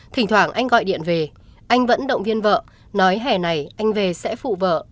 thỉnh thoảng anh gọi điện về anh vẫn động viên vợ nói hẻ này anh về sẽ phụ vợ